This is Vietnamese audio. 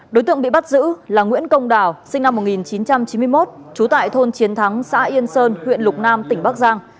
đối tượng bị bắt giữ là nguyễn công đảo sinh năm một nghìn chín trăm chín mươi một trú tại thôn chiến thắng xã yên sơn huyện lục nam tỉnh bắc giang